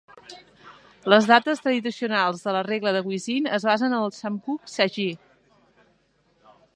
Les dates tradicionals de la regla de Guisin es basen en el "Samguk Sagi".